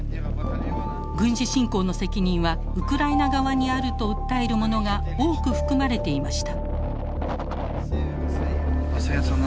軍事侵攻の責任はウクライナ側にあると訴えるものが多く含まれていました。